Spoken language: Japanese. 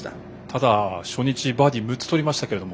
ただ初日バーディー６つとりましたけど。